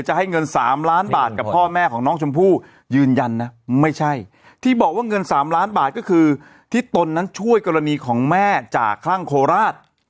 เหลือเงิน๓ล้านบาทก็คือที่ตนนั้นช่วยกรณีของแม่จากคลั่งโคราศ